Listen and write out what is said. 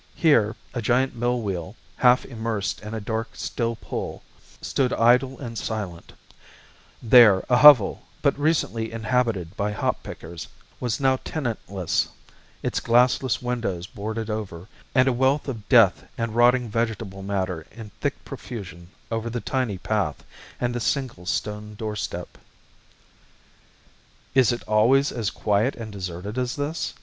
Here a giant mill wheel, half immersed in a dark, still pool, stood idle and silent; there a hovel, but recently inhabited by hop pickers, was now tenantless, its glassless windows boarded over, and a wealth of dead and rotting vegetable matter in thick profusion over the tiny path and the single stone doorstep. "Is it always as quiet and deserted as this?"